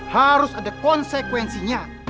harus ada konsekuensinya